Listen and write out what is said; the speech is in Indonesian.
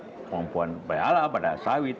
kemampuan bayaran pada sawit